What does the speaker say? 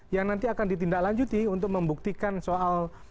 yang nanti akan ditindaklanjuti untuk membuktikan soal